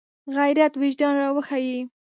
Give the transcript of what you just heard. غیرت وجدان راویښوي